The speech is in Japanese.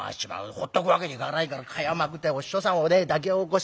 ほっとくわけにいかないから蚊帳をまくってお師匠さんを抱き起こしてね